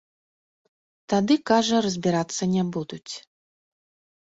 Тады, кажа, разбірацца не будуць.